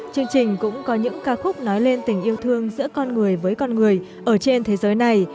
chương trình cũng có những ca khúc nói lên tình yêu thương giữa con người với con người ở trên thế giới này